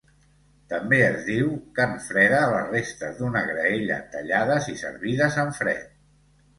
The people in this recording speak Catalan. També es diu carn freda a les restes d'una graella tallades i servides en fred.